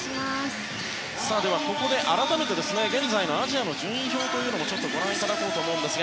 では、ここで改めて現在のアジアの順位表をご覧いただこうと思います。